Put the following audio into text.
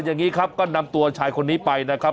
อย่างนี้ครับก็นำตัวชายคนนี้ไปนะครับ